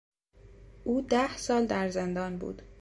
او ده سال در زندان بود.